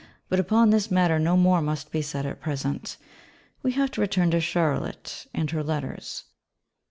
But upon this matter no more must be said at present: we have to return to Charlotte, and her Letters.